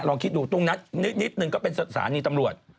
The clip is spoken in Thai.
ลองคิดดูตรงนั้นนิดหนึ่งก็เป็นสถานีตำรวจ